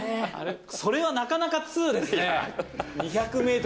それはなかなか通ですね。